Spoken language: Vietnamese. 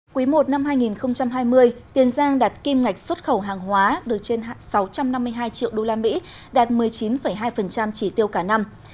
quý i năm hai nghìn hai mươi tiền giang đạt kim ngạch xuất khẩu hàng hóa được trên sáu trăm năm mươi hai triệu usd đạt một mươi chín hai chỉ tiêu cả năm